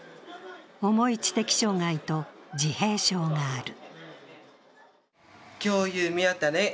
重い知的障害と自閉症がある。